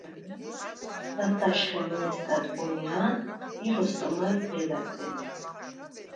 სასაშხენ – ჲესტატ ვონია̄ნ ი როსტომაჲ ბერაძე.